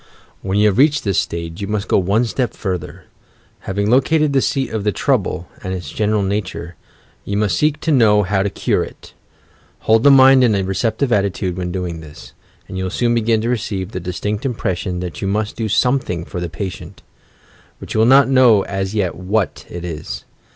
"When you have reached this stage, you must go one step further. Having located the seat of the trouble, and its general nature, you must seek to know how to cure it. Hold the mind in a receptive attitude, when doing this, and you will soon begin to receive the distinct impression that you must do something for the patient — but you will not know as yet u^hat it is.